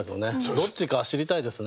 どっちか知りたいですね。